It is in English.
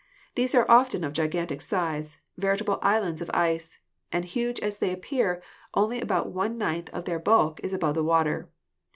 These are often of gigantic size, veritable islands of ice, and huge as they appear, only about one ninth of their bulk is above water.